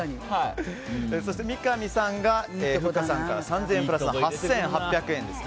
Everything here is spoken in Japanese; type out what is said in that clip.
そして三上さんがふっかさんから３０００円プラスの８８００円です。